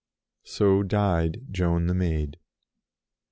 So died Joan the Maid.